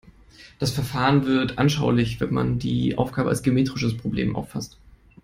Das Verfahren wird anschaulich, wenn man die Aufgabe als geometrisches Problem auffasst.